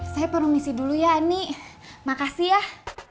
saya promisi dulu ya ani makasih yah